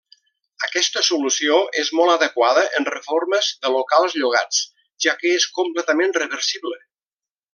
Aquesta solució és molt adequada en reformes de locals llogats, ja que és completament reversible.